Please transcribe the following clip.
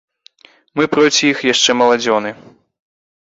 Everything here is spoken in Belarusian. Мы проці іх яшчэ маладзёны.